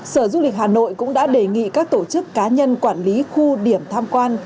sở du lịch hà nội cũng đã đề nghị các tổ chức cá nhân quản lý khu điểm tham quan